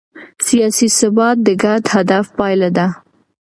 سیاسي ثبات د ګډ هدف پایله ده